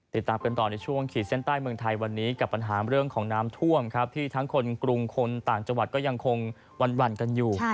ติดตามกันต่อในช่วงขีดเส้นใต้เมืองไทยวันนี้กับปัญหาเรื่องของน้ำท่วมครับที่ทั้งคนกรุงคนต่างจังหวัดก็ยังคงหวั่นกันอยู่